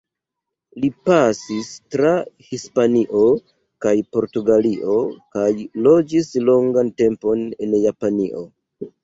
Li pasis tra Hispanio kaj Portugalio, kaj loĝis longan tempon en Japanio.